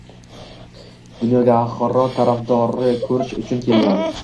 Dunyoga oxirat tadorigini ko‘rish uchun kelinadi.